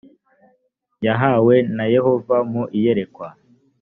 yahawe na yehova mu iyerekwa